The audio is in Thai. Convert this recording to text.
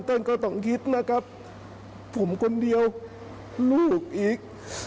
ท่านก็ต้องคิดนะครับผมคนเดียวลูกอีก